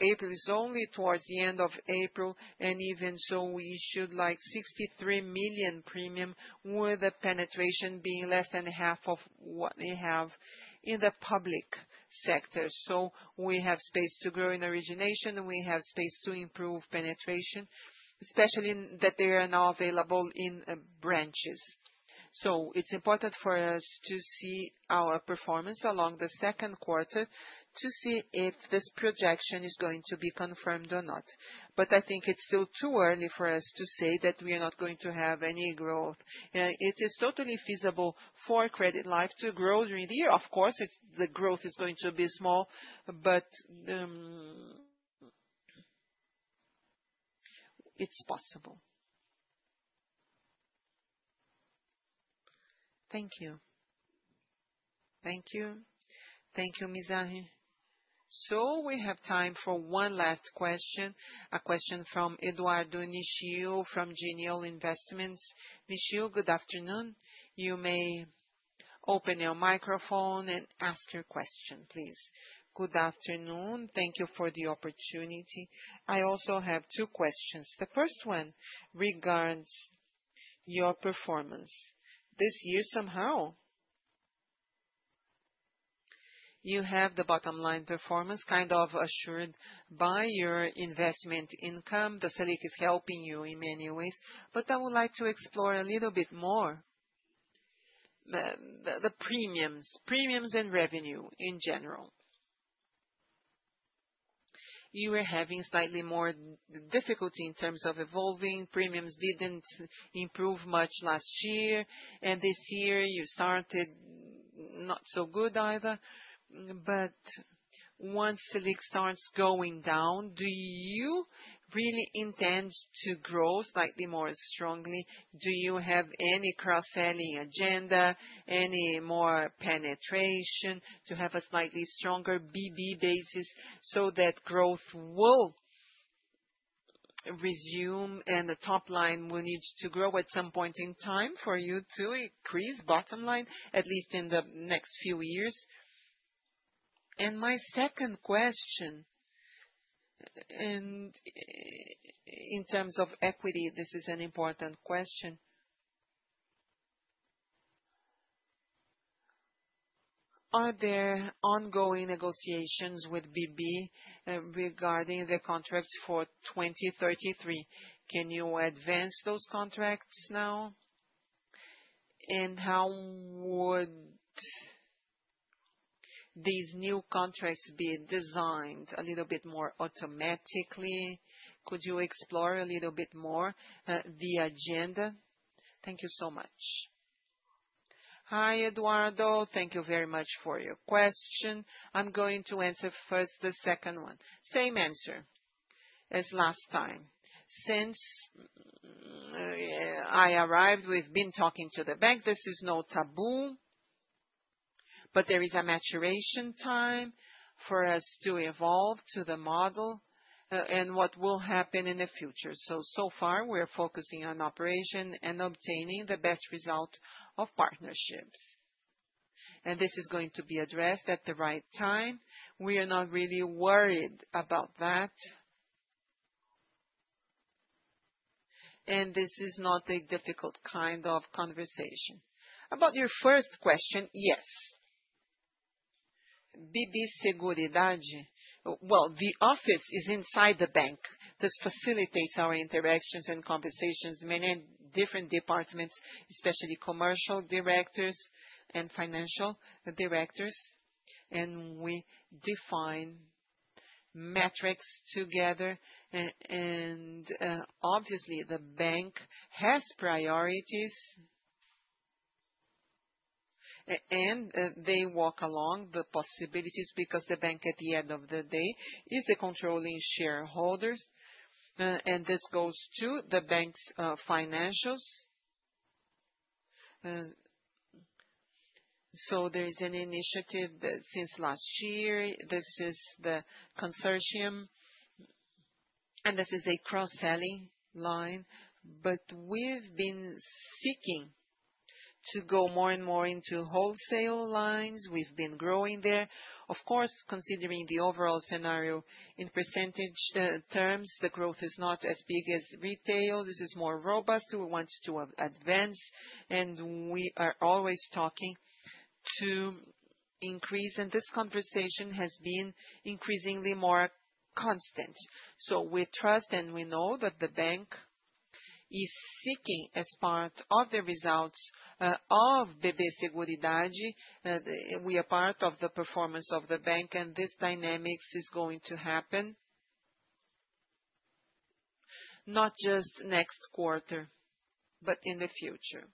April is only towards the end of April. Even so, we should like 63 million premium with a penetration being less than half of what we have in the public sector. We have space to grow in origination. We have space to improve penetration, especially that they are now available in branches. It is important for us to see our performance along the second quarter to see if this projection is going to be confirmed or not.I think it's still too early for us to say that we are not going to have any growth. It is totally feasible for credit life to grow during the year. Of course, the growth is going to be small, but it's possible. Thank you. Thank you. Thank you, Mizrahi. We have time for one last question, a question from Eduardo Nishio from Genial Investments. Nishio, good afternoon. You may open your microphone and ask your question, please. Good afternoon. Thank you for the opportunity. I also have two questions. The first one regards your performance this year somehow. You have the bottom line performance assured by your investment income. The SELIC is helping you in many ways. I would like to explore a little bit more the premiums and revenue in general. You were having slightly more difficulty in terms of evolving. Premiums did not improve much last year. This year, you started not so good either. Once SELIC starts going down, do you really intend to grow slightly more strongly? Do you have any cross-selling agenda, any more penetration to have a slightly stronger BB basis so that growth will resume and the top line will need to grow at some point in time for you to increase bottom line, at least in the next few years? My second question, in terms of equity, this is an important question. Are there ongoing negotiations with BB regarding the contracts for 2033? Can you advance those contracts now? How would these new contracts be designed a little bit more automatically? Could you explore a little bit more the agenda? Thank you so much. Hi, Eduardo. Thank you very much for your question. I'm going to answer first the second one. Same answer as last time. Since I arrived, we've been talking to the bank. This is no taboo, but there is a maturation time for us to evolve to the model and what will happen in the future. So far, we're focusing on operation and obtaining the best result of partnerships. This is going to be addressed at the right time. We are not really worried about that. This is not a difficult conversation. About your first question, yes. BB Seguridade, the office is inside the bank. This facilitates our interactions and conversations in many different departments, especially commercial directors and financial directors. We define metrics together. Obviously, the bank has priorities, and they walk along the possibilities because the bank, at the end of the day, is the controlling shareholders. This goes to the bank's financials. There is an initiative since last year. This is the consortium, and this is a cross-selling line. We have been seeking to go more and more into wholesale lines. We have been growing there. Of course, considering the overall scenario in percentage terms, the growth is not as big as retail. This is more robust. We want to advance, and we are always talking to increase. This conversation has been increasingly more constant. We trust and we know that the bank is seeking as part of the results of BB Seguridade. We are part of the performance of the bank, and this dynamic is going to happen not just next quarter, but in the future.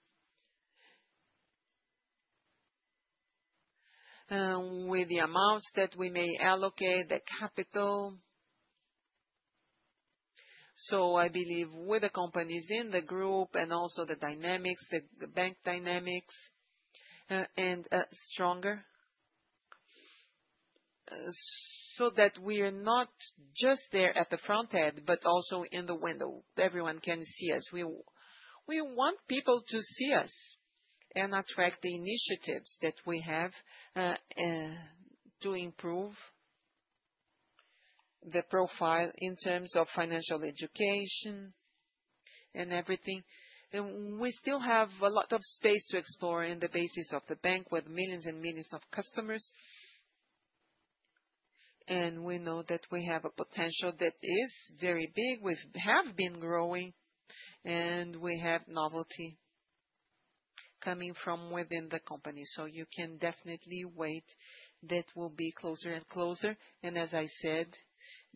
With the amounts that we may allocate, the capital.I believe with the companies in the group and also the dynamics, the bank dynamics, and stronger so that we are not just there at the front end, but also in the window. Everyone can see us. We want people to see us and attract the initiatives that we have to improve the profile in terms of financial education and everything. We still have a lot of space to explore in the basis of the bank with millions and millions of customers. We know that we have a potential that is very big. We have been growing, and we have novelty coming from within the company. You can definitely wait that will be closer and closer. As I said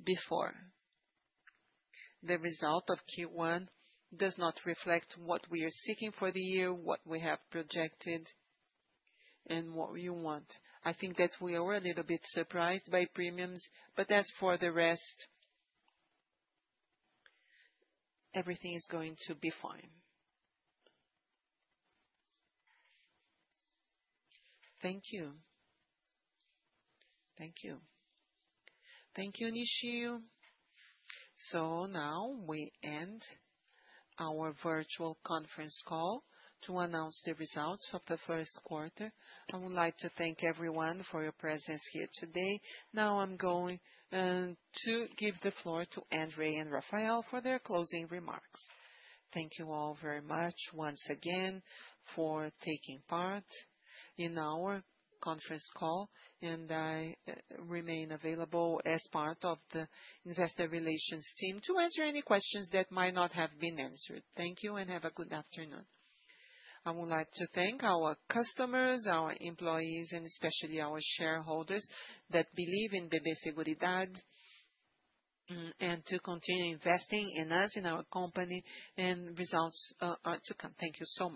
before, the result of Q1 does not reflect what we are seeking for the year, what we have projected, and what we want.I think that we are a little bit surprised by premiums. As for the rest, everything is going to be fine. Thank you, Nishio. Now we end our virtual conference call to announce the results of the first quarter. I would like to thank everyone for your presence here today. Now I am going to give the floor to Andrei and Rafael for their closing remarks. Thank you all very much once again for taking part in our conference call. I remain available as part of the investor relations team to answer any questions that might not have been answered. Thank you and have a good afternoon. I would like to thank our customers, our employees, and especially our shareholders that believe in BB Seguridade and continue investing in us, in our company, and results to come. Thank you so much.